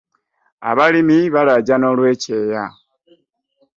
Abalimi balajana olwekyeya.